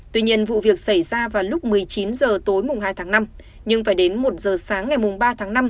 tuy nhiên vụ việc xảy ra vào lúc một mươi chín h tối hai tháng năm nhưng phải đến một giờ sáng ngày ba tháng năm